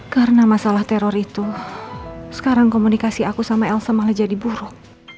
karena masalah teror itu sekarang komunikasi aku sama elsa malah jadi buruk